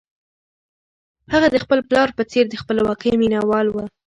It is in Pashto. هغه د خپل پلار په څېر د خپلواکۍ مینه وال و.